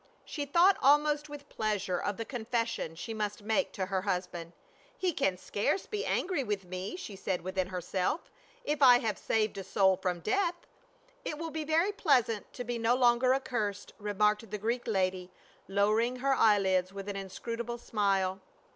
She thought almost with pleasure of the confession she must make to her husband. " He can scarce be angry with me," she said within herself, "if I have saved a soul from death." " It will be very pleasant to be no longer accursed," remarked the Greek lady, lowering her eyelids with an inscrutable smile.